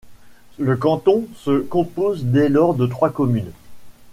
Le canton se compose dès lors de trois communes.